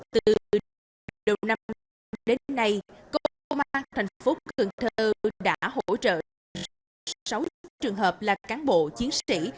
từ đầu năm đến nay công an thành phố cần thơ đã hỗ trợ sáu trường hợp là cán bộ chiến sĩ